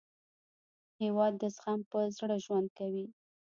هېواد د زغم په زړه ژوند کوي.